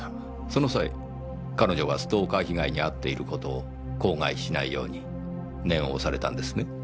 その際彼女はストーカー被害に遭っている事を口外しないように念を押されたんですね？